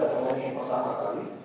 dengan yang pertama kali